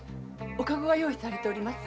おカゴが用意されております。